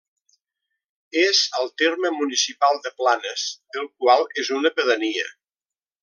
És al terme municipal de Planes, del qual és una pedania.